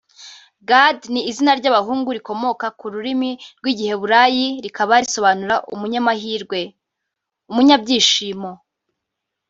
Gad ni izina ry’abahungu rikomoka ku rurimi rw’Igiheburayi rikaba risobanura “umunyamahirwe/Umunyabyishimo”